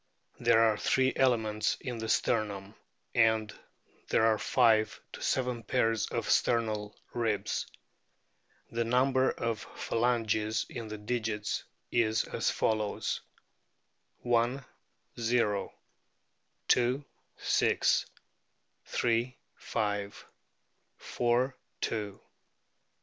There are three elements in the sternum, and there are five to seven pairs of sternal ribs. The number of phalanges in the digits is as follows: I, o. II, 6. Ill, 5. IV, 2. V, i.